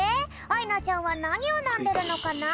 あいなちゃんはなにをのんでるのかな？